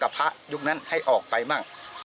พระยุคนั้นให้ออกไปบ้าง